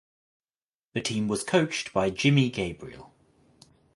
The team was coached by Jimmy Gabriel.